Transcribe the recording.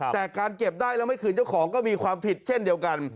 แต่การเก็บได้แล้วไม่คืนเจ้าของก็มีความผิดเช่นเดียวกัน